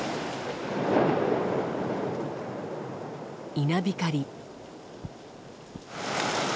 稲光。